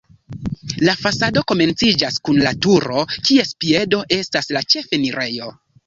La fasado komenciĝas kun la turo, kies piedo estas la ĉefenirejo.